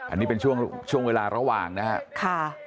อันนี้เป็นช่วงเวลาระหว่างนะครับ